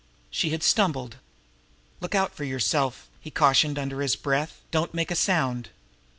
She had stumbled. "Look out for yourself!" he cautioned under his breath. "Don't make a sound!"